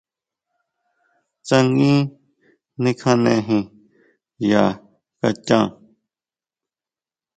Tsangui nikjanejin ya kaxhan.